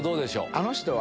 あの人は？